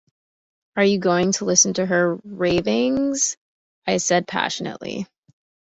‘Are you going to listen to her ravings?’ I said, passionately.